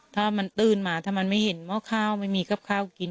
ถ้ามันตื้นมาถ้ามันไม่เห็นหม้อข้าวไม่มีกับข้าวกิน